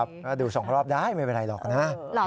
ครับดูสองรอบได้ไม่เป็นไรหรอกนะ